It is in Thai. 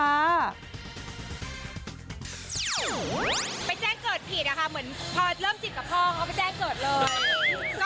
ไปแจ้งเกิดผิดอะค่ะเหมือนพอเริ่มจิบกับพ่อเขาไปแจ้งเกิดเลย